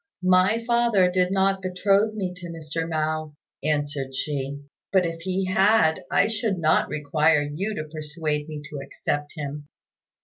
"My father did not betroth me to Mr. Mao," answered she, "but if he had I should not require you to persuade me to accept him."